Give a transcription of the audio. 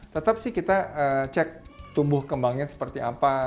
tetap sih kita cek tumbuh kembangnya seperti apa